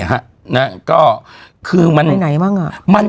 ไหนบ้าง